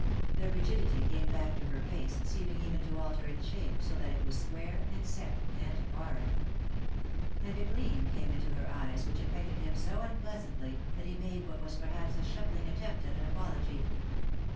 The rigidity came back to her race, seeming even to alter its shape, so that it was square, and set, and hard. And a gleam came into her eyes which affected him so un pleasantly that he made what was perhaps a shuffling attempt at an apology.